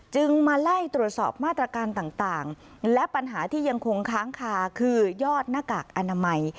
มาไล่ตรวจสอบมาตรการต่างและปัญหาที่ยังคงค้างคาคือยอดหน้ากากอนามัย